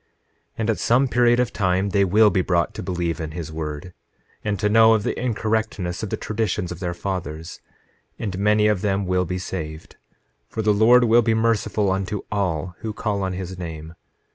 9:17 And at some period of time they will be brought to believe in his word, and to know of the incorrectness of the traditions of their fathers; and many of them will be saved, for the Lord will be merciful unto all who call on his name.